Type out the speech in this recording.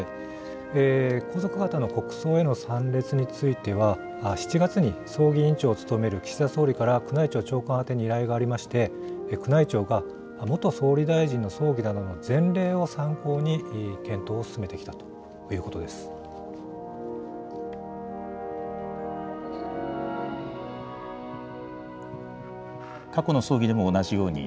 皇族方の国葬への参列については、７月に葬儀委員長を務める岸田総理から宮内庁長官宛てに依頼がありまして、宮内庁が元総理大臣の葬儀などの前例を参考に、検討を過去の葬儀でも同じように、